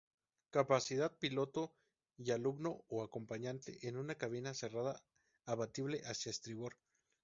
Capacidad: Piloto y alumno o acompañante en una cabina cerrada abatible hacia estribor.